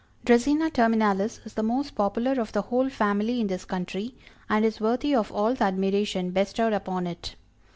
Dracæna terminalis is the most popular of the whole family in this country, and is worthy of all the admiration bestowed upon it.